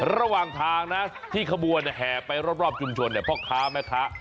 ระหว่างทางนะที่ขบวนแห่ไปรอบชุมชนพ่อค้าแม่ค้า